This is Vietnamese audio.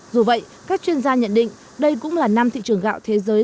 dù vậy các chuyên gia nhận định đây cũng là năm thị trường gạo thế giới